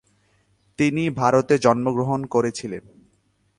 তিনি ভারতে জন্মগ্রহণ করেছিলেন।